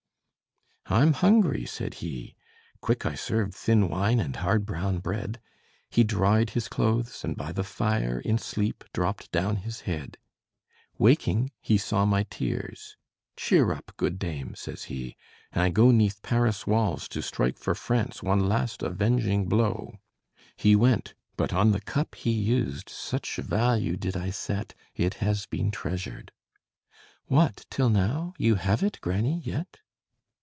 "'I'm hungry,' said he: quick I served Thin wine and hard brown bread; He dried his clothes, and by the fire In sleep dropped down his head. Waking, he saw my tears 'Cheer up, Good dame!' says he, 'I go 'Neath Paris' walls to strike for France One last avenging blow.' He went; but on the cup he used Such value did I set It has been treasured." "What! till now? You have it, granny, yet?"